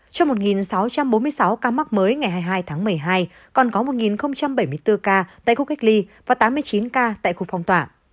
trong một sáu trăm bốn mươi sáu ca mắc mới ngày hai mươi hai tháng một mươi hai còn có một bảy mươi bốn ca tại khu cách ly và tám mươi chín ca tại khu phong tỏa